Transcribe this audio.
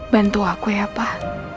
bantu aku ya pak